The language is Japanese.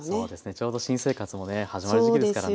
ちょうど新生活もね始まる時期ですからね。